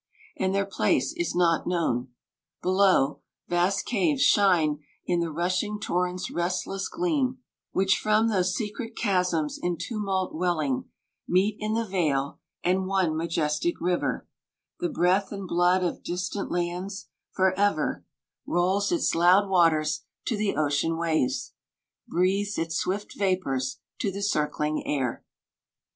And their place is not known. Below, vast caves Shine in the rushing torrent's restless gleam, Which from those secret chasms in tumult welling Meet in the vale, and one majestic River, The breath and blood of distant lands, for ever 182 Rolls its loud waters to the ocean waves, Breathes its swift vapours to the circling air.